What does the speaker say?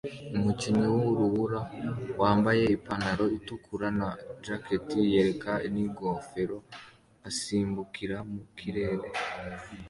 Umukinnyi wurubura wambaye ipantaro itukura na jacket yera ningofero asimbukira mu kirere